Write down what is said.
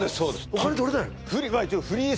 お金取れないの？